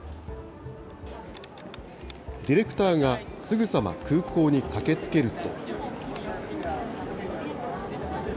ディレクターがすぐさま空港に駆けつけると。